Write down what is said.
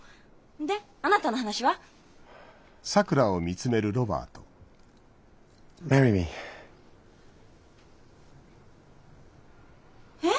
であなたの話は？えっ！？